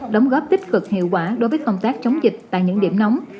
đóng góp tích cực hiệu quả đối với công tác chống dịch tại những điểm nóng